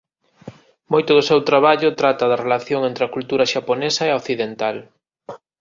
Moito do seu traballo trata da relación entre a cultura xaponesa e a occidental.